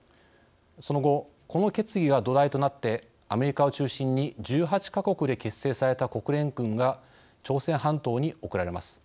その後、この決議が土台となってアメリカを中心に１８か国で結成された国連軍が朝鮮半島に送られます。